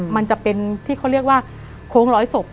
มันจะเป็นที่เขาเรียกว่าโค้งร้อยศพ